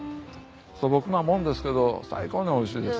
素朴なもんですけど最高においしいですわ。